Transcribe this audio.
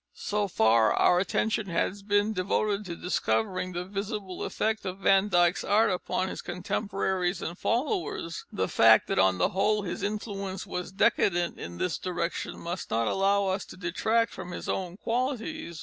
So far our attention has been devoted to discovering the visible effect of Van Dyck's art upon his contemporaries and followers. The fact that on the whole his influence was decadent in this direction must not allow us to detract from his own qualities.